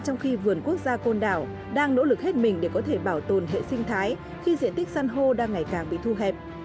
trong khi vườn quốc gia côn đảo đang nỗ lực hết mình để có thể bảo tồn hệ sinh thái khi diện tích săn hô đang ngày càng bị thu hẹp